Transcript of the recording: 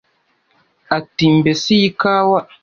ati: mbese iyi kawa